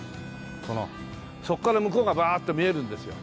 このそこから向こうがバーッと見えるんですよ。